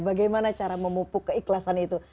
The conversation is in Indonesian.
bagaimana cara memupuk keikhlasan itu